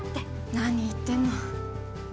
何言ってんの。